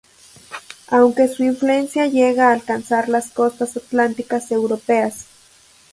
Aunque su influencia llega a alcanzar las costas atlánticas europeas.